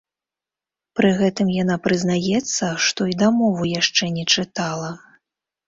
Пры гэтым яна прызнаецца, што і дамову яшчэ не чытала.